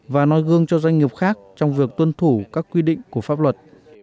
và nói gương cho doanh nghiệp khác trong việc tuân thủ các quy định của pháp luật